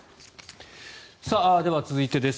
では、続いてです。